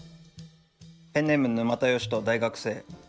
ペンネーム沼田儀人大学生。